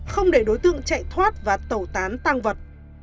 không để đối tượng chạy thoát và tẩu tán tăng vật